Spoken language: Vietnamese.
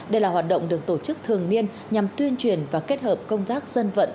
đây là hoạt động được tổ chức thường niên nhằm tuyên truyền và kết hợp công tác dân vận